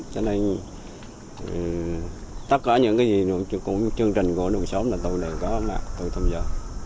cho nên tất cả những chương trình của đồng xóm là tôi tham gia